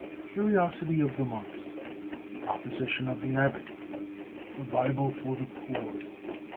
Curiosity of the Monks. Proposition of the Abbot. The "Bible for the Poor."